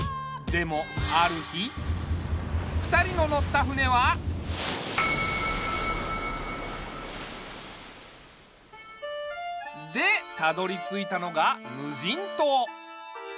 でもある日２人の乗った船は。でたどりついたのがむじんとう。